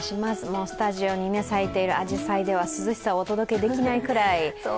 もうスタジオに咲いているあじさいでは涼しさをお届けできないくらい。